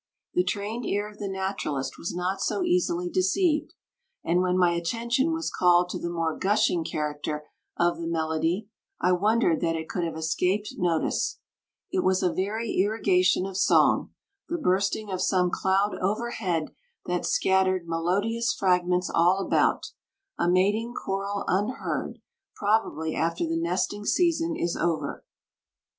The trained ear of the naturalist was not so easily deceived, and when my attention was called to the more gushing character of the melody I wondered that it could have escaped notice. It was a very irrigation of song, the bursting of some cloud overhead that scattered melodious fragments all about, a mating choral unheard, probably, after the nesting season is over.